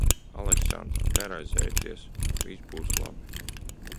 Aleksandr, neraizējieties. Viss būs labi.